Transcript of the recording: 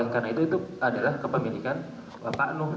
karena itu adalah kepemilikan pak nuh